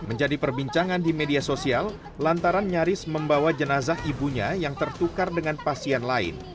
menjadi perbincangan di media sosial lantaran nyaris membawa jenazah ibunya yang tertukar dengan pasien lain